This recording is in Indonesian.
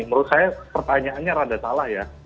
menurut saya pertanyaannya rada salah ya